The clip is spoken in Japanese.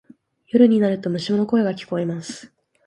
夜になると虫の声が聞こえます。